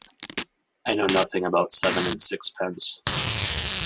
I know nothing about seven and sixpence.